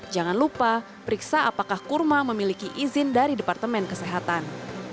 jangan lupa periksa apakah kurma memiliki izin dari departemen kesehatan